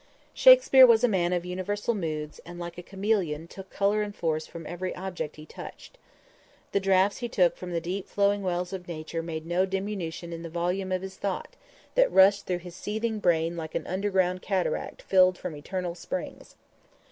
Shakspere was a man of universal moods and like a chameleon took color and force from every object he touched. The draughts he took from the deep flowing wells of nature made no diminution in the volume of his thought, that rushed through his seething brain like an underground cataract filled from eternal springs.